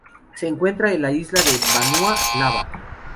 Se encuentra en la isla de Vanua Lava.